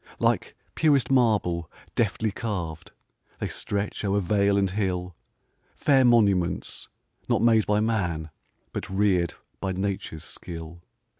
Like purest marble, deftly carv'd, They stretch o'er vale and hill, Fair monuments, not made by man, But rear'd by nature's skill.